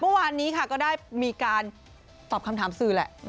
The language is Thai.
เมื่อวานนี้ค่ะก็ได้มีการตอบคำถามสื่อแหละ